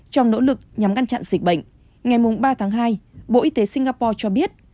trong nỗ lực nhằm ngăn chặn dịch bệnh ngày ba tháng hai bộ y tế singapore cho biết